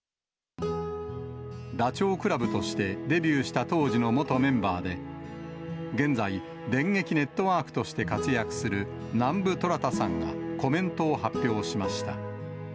ダチョウ倶楽部としてデビューした当時の元メンバーで、現在、電撃ネットワークとして活躍する、南部虎弾さんがコメントを発表しました。